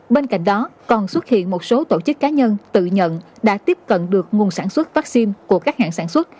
bên cạnh đó còn xuất hiện một số tổ chức cá nhân tự nhận đã tiếp cận được nguồn sản xuất vaccine của các hãng sản xuất